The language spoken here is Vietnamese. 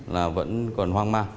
là vẫn còn hoang mang